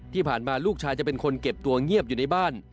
ที่ผ่านมาลูกชายจะเป็นคนเก็บตัวเงียบอยู่ในบ้าน